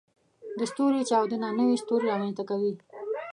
د ستوري چاودنه نوې ستوري رامنځته کوي.